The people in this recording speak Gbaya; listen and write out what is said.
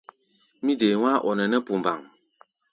Mí dee wá̧á̧-ɔ-nɛnɛ́ pumbaŋ.